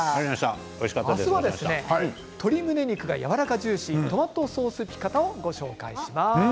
明日は鶏むね肉がやわらかジューシートマトソースピカタをご紹介します。